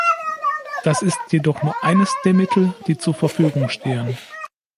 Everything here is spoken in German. Das ist jedoch nur eines der Mittel, die zur Verfügung stehen.